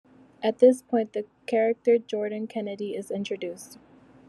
At this point, the character Jordan Kennedy is introduced.